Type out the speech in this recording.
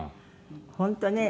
本当ね。